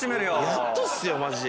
やっとっすよマジ。